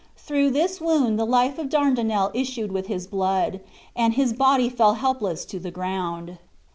Through this wound the life of Dardinel issued with his blood, and his body fell helpless to the ground.